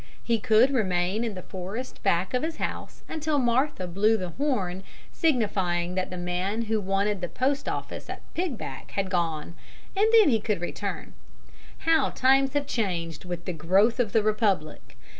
He could remain in the forest back of his house until Martha blew the horn signifying that the man who wanted the post office at Pigback had gone, and then he could return. [Illustration: MARTHA BLEW THE HORN.] How times have changed with the growth of the republic!